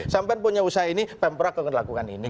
sampai punya usaha ini pemprov akan lakukan ini